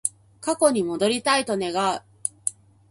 過去に戻りたいと願う